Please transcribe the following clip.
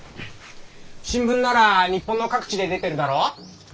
新聞なら日本の各地で出てるだろ？